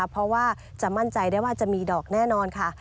เพราะว่าจะมั่นใจได้ว่าจะมีดอกแน่นอนค่ะ